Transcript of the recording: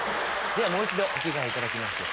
ではもう一度お着替えいただきまして。